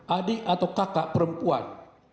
adik atau kakak perempuan